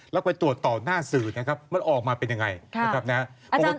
แล้วไปตรวจต่อหน้าสื่อนะครับมันออกมาเป็นยังไงนะครับ